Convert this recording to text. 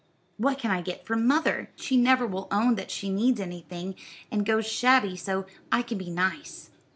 "What can I get for mother? She never will own that she needs anything, and goes shabby so I can be nice.